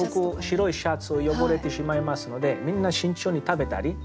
白いシャツ汚れてしまいますのでみんな慎重に食べたり。